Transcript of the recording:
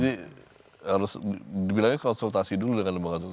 jadi harus dibilangnya konsultasi dulu dengan lembaga sensor film